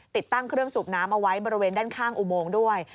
ติดตั้งเครื่องสูบน้ำเอาไว้บริเวณด้านข้างอุโมงด้วย